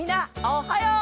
おはよう！